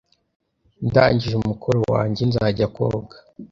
Ndangije umukoro wanjye, nzajya koga